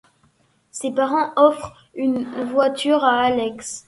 Ses parents offrent une voiture à Alex.